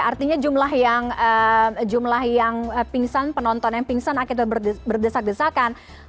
artinya jumlah yang pingsan penonton yang pingsan akhirnya berdesak desakan